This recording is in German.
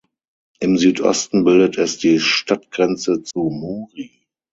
Im Südosten bildet es die Stadtgrenze zu Muri.